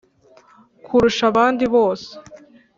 kurusha abandi bose.